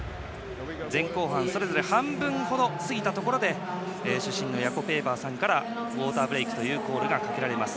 前後半それぞれ半分ほど過ぎたところで主審のヤコ・ペイパーさんからウォーターブレークというコールがかけられます。